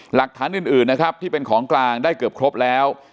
หลักฐานอื่นนะครับที่เป็นของกลางได้เกือบครบแล้ว